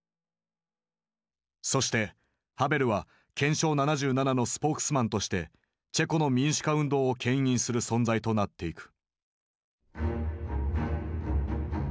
そしてハヴェルは「憲章７７」のスポークスマンとしてチェコの民主化運動を牽引する存在となっていく。